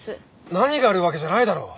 何があるわけじゃないだろ。